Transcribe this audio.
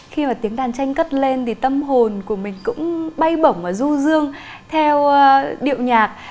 khi mà tiếng đàn tranh cất lên thì tâm hồn của mình cũng bay bổng và ru rương theo điệu nhạc